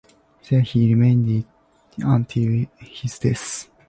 There he remained until his death.